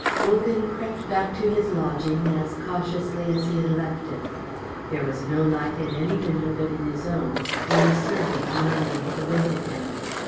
Wogan crept back to his lodging as cautiously as he had left it. There was no light in any window but in his own, where his servant, Marnier, awaited him.